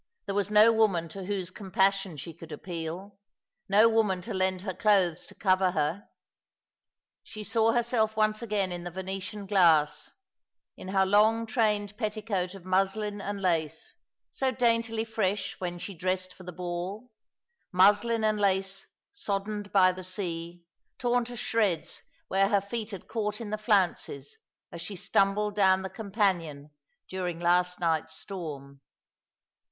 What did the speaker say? There was no woman to whose compassion she could appeal, no woman to lend her clothes to cover her. She saw herself once again in the Venetian glass, in her long trained petticoat of mnslin and lace, so daintily fresh when she dressed for the ball — mnslin and lace soddened by the sea, torn to Bhreds where her feet had caught in the flounces as she stumbled down • the companion during last night's storm.